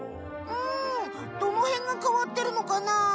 うんどのへんがかわってるのかな？